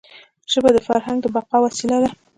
ژبه د فرهنګ د بقا وسیله ده.